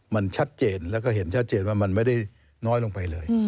มันชัดเจนแล้วก็เห็นชัดเจนว่ามันไม่ได้น้อยลงไปเลย